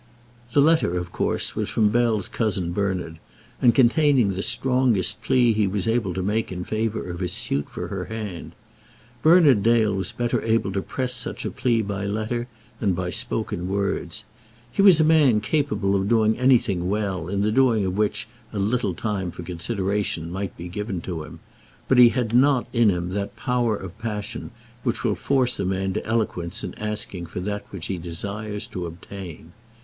The letter, of course, was from Bell's cousin Bernard, and containing the strongest plea he was able to make in favour of his suit for her hand. Bernard Dale was better able to press such a plea by letter than by spoken words. He was a man capable of doing anything well in the doing of which a little time for consideration might be given to him; but he had not in him that power of passion which will force a man to eloquence in asking for that which he desires to obtain.